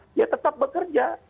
dia tetap bekerja